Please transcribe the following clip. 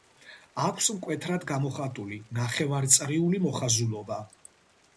აქვს მკვეთრად გამოხატული ნახევარწრიული მოხაზულობა.